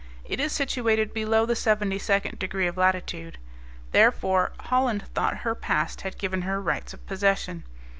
It is situated below the 72d degree of latitude. Therefore Holland thought her past had given her rights of possession.